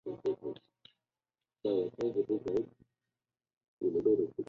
库克斯谷是位于美国加利福尼亚州洪堡县的一个非建制地区。